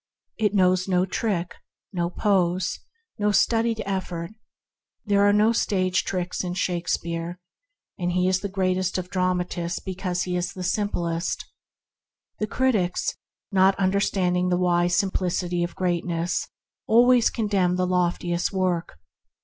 It knows no trick, no pose, no studied effort. There are no 146 THE HEAVENLY LIFE mere tricks in Shakespeare; he is the greatest of dramatists because he is the simplest. The critics, not understanding the wise simplicity of greatness, con demn the loftiest work.